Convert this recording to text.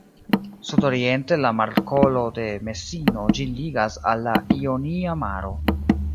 Sudoriente la Markolo de Mesino ĝin ligas al la Ionia Maro.